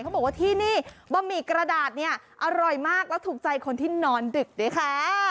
บอกว่าที่นี่บะหมี่กระดาษเนี่ยอร่อยมากแล้วถูกใจคนที่นอนดึกด้วยค่ะ